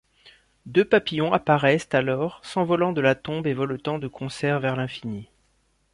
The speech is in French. Deux papillons apparaissent alors, s'envolant de la tombe et voletant de concert vers l'infini.